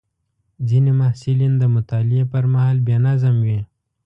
ځینې محصلین د مطالعې پر مهال بې نظم وي.